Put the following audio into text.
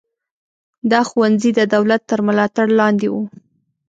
دا ښوونځي د دولت تر ملاتړ لاندې وو.